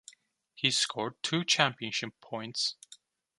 He scored two championship points.